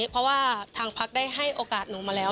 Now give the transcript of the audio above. เพราะว่าทางพักได้ให้โอกาสหนูมาแล้ว